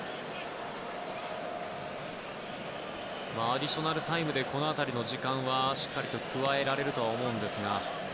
アディショナルタイムでこの辺りの時間はしっかりと加えられると思いますが。